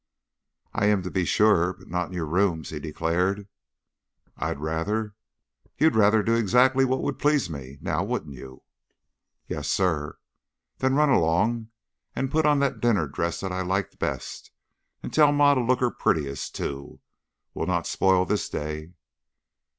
"I am, to be sure. But not in your rooms," he declared. "I'd rather " "You'd rather do exactly what would please me, now wouldn't you?" "Yes, sir." "Then run along and put on that dinner dress that I liked best. And tell Ma to look her prettiest, too. We'll not spoil this day."